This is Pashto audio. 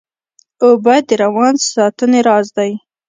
اوبه د روان ساتنې راز دي